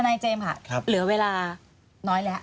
นายเจมส์ค่ะเหลือเวลาน้อยแล้ว